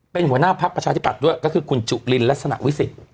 เป็นหัวหน้าภักดิ์ประชาธิบัติด้วยก็คือคุณจุลินลัศนาวิสิต